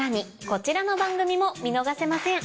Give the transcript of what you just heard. こちらの番組も見逃せません。